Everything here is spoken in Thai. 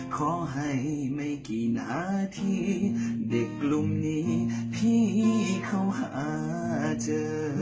ขอให้ไม่กี่นาทีเด็กกลุ่มนี้ที่เขาหาเจอ